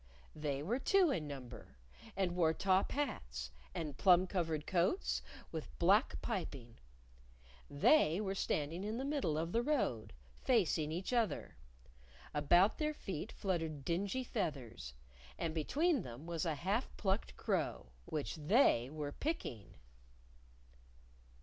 They were two in number, and wore top hats, and plum covered coats with black piping. They were standing in the middle of the road, facing each other. About their feet fluttered dingy feathers. And between them was a half plucked crow, which They were picking.